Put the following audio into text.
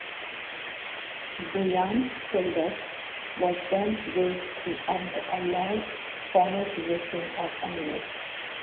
Buyan Suldus was then raised to 'Abd Allah's former position of amir.